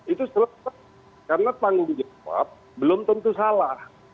itu selesai karena tanggung jawab belum tentu salah